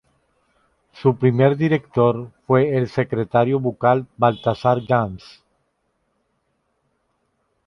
Su primer director fue el secretario ducal Balthasar Gans.